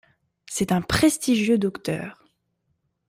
C'est un prestigieux docteur.